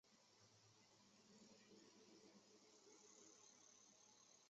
早年投资并经营奉锦天一垦务公司。